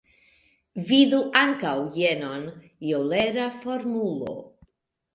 Vidu ankaŭ jenon: Eŭlera formulo.